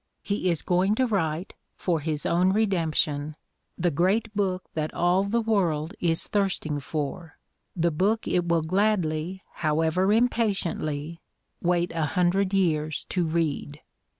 He is going to write, for his own redemption, the great book that all the world is thirsting for, the book it will gladly, how ever impatiently, wait a hundred years to read.